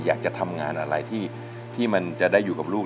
อยากจะทำงานอะไรที่มันจะได้อยู่กับลูก